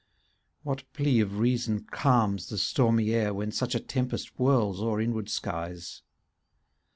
^ What plea of reason calms the stormy air When such a tempest whirls o'er inward skies?